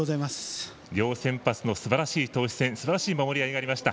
両先発のすばらしい投手戦すばらしい守りがありました。